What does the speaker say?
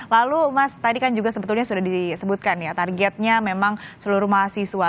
lalu mas tadi kan juga sebetulnya sudah disebutkan ya targetnya memang seluruh mahasiswa